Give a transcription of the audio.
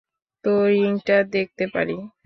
তো, রিংটা দেখতে পারি?